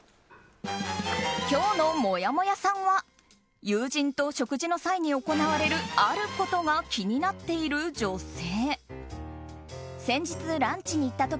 今日のもやもやさんは友人と食事の際に行われるあることが気になっている女性。